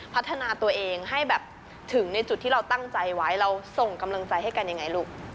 พัฒนาตัวเองให้แบบถึงในจุดที่เราตั้งใจไว้เราส่งกำลังใจให้กันยังไงลูก